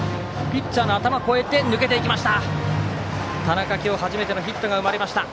ピッチャーの頭を越えて抜けていきました。